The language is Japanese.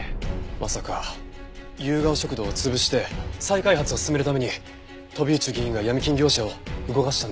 まさかゆうがお食堂を潰して再開発を進めるために飛内議員がヤミ金業者を動かしたんだとしたら。